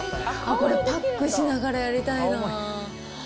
パックしながらやりたいな。